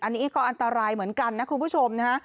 อันนี้ก็อันตรายเหมือนกันนะคุณผู้ชมนะฮะ